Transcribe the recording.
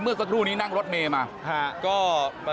เมื่อสักครู่นี้นั่งรถเมมา